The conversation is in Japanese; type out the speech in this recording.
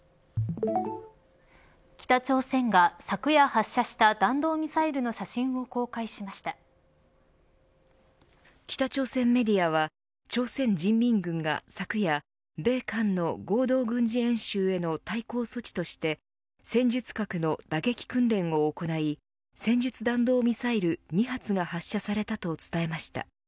北朝鮮が、昨夜発射した弾道ミサイルの写真を北朝鮮メディアは朝鮮人民軍が昨夜米韓の合同軍事演習への対抗措置として戦術核の打撃訓練を行い戦術弾道ミサイル２発が発射されたと伝えました。